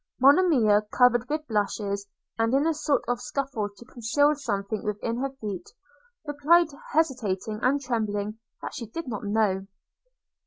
Monimia, covered with blushes, and in a sort of scuffle to conceal something with her feet, replied, hesitating and trembling, that she did not know.